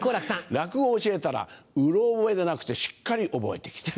落語を教えたらうろ覚えでなくてしっかり覚えて来てる。